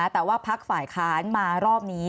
แต่ว่าพักฝ่ายค้านมารอบนี้